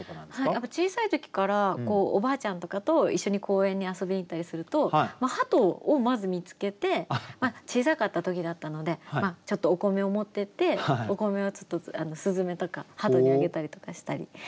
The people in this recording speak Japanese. やっぱり小さい時からおばあちゃんとかと一緒に公園に遊びに行ったりするとハトをまず見つけて小さかった時だったのでちょっとお米を持ってってお米をちょっとスズメとかハトにあげたりとかしたりしてましたね。